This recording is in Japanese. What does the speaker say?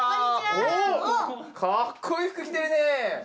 おー、かっこいい服着てるね。